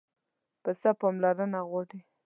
پسه پاملرنه غواړي.